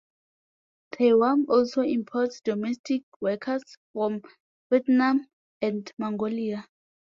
Taiwan also imports domestic workers from Vietnam and Mongolia.